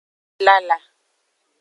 Lala.